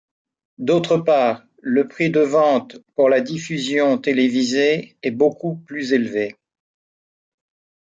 D'autre part, le prix de vente pour la diffusion télévisée est beaucoup plus élevé.